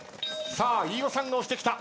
さあ飯尾さんが押してきた。